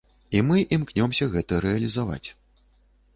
І мы імкнёмся гэта рэалізаваць.